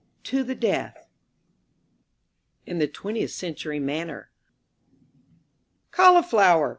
TO THE DEATH (In the Twentieth Century manner) "Cauliflower!"